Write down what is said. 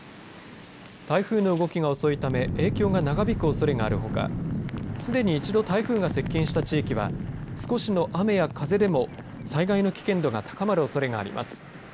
台風の動きが遅いため影響が長引くおそれがあるほかすでに一度台風が接近した地域は少しの雨や風でも災害の危険度が高まるおそれがあります。